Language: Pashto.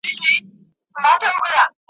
نارنج ګل مي پر زړه اوري انارګل مي را یادیږي ,